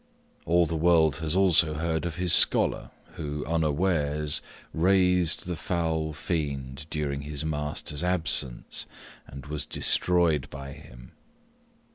All the world has also heard of his scholar, who, unawares, raised the foul fiend during his master's absence, and was destroyed by him.